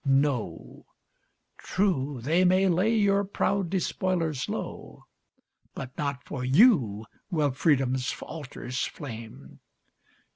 No! True, they may lay your proud despoilers low, But not for you will Freedom's altars flame.